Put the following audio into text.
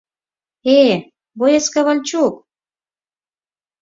Э-э, боец Ковальчук!